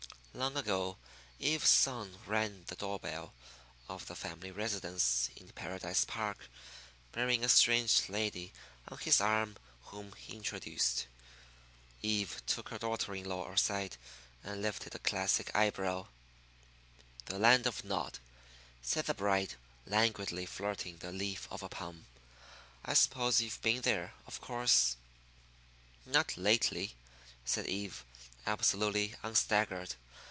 Long ago Eve's son rang the door bell of the family residence in Paradise Park, bearing a strange lady on his arm, whom he introduced. Eve took her daughter in law aside and lifted a classic eyebrow. "The Land of Nod," said the bride, languidly flirting the leaf of a palm. "I suppose you've been there, of course?" "Not lately," said Eve, absolutely unstaggered.